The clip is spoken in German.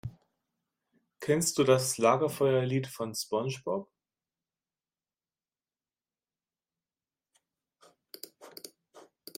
Kennst du das Lagerfeuerlied von SpongeBob?